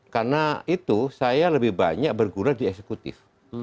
karena itu saya lebih banyak bergurau di eksekutif